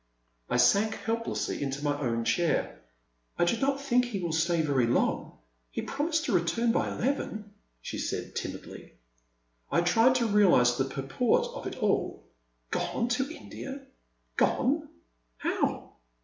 I sank helplessly into my own chair. I do not think he will stay very long — ^he promised to return by eleven, she said, timidly. I tried to realize the purport of it all. Gone to India ? Gone ! How